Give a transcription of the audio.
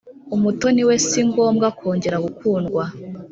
Umutoni we si ngombwa kongera gukundwa.